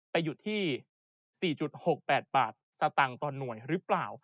ไปอยู่ที่๔๖๘บาทสตางค์ต่อหน่วยหรือเปล่า